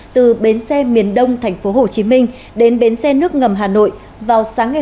từ bến xe miền đông thành phố hồ chí minh đến bến xe nước ngầm hà nội